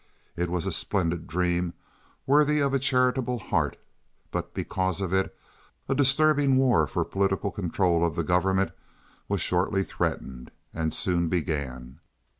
It was a splendid dream worthy of a charitable heart, but because of it a disturbing war for political control of the government was shortly threatened and soon began.